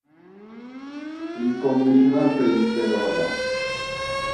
Il-commission għalfejn se jeħodha?